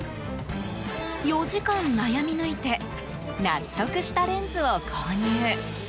４時間悩み抜いて納得したレンズを購入。